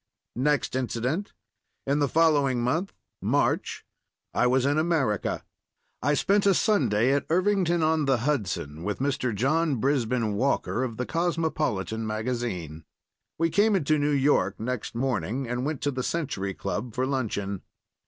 Next incident. In the following month—March—I was in America. I spent a Sunday at Irvington on the Hudson with Mr. John Brisben Walker, of the Cosmopolitan magazine. We came into New York next morning, and went to the Century Club for luncheon.